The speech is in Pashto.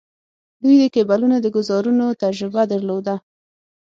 دوی د کیبلونو د ګوزارونو تجربه درلوده.